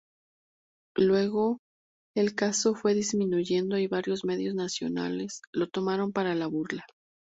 Luego el caso fue disminuyendo y varios medios nacionales lo tomaron para la burla.